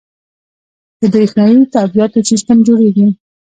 د بریښنایی تادیاتو سیستم جوړیږي